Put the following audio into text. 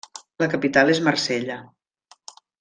La capital és Marsella.